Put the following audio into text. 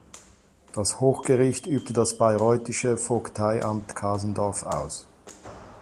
Das Hochgericht übte das bayreuthische Vogteiamt Kasendorf aus.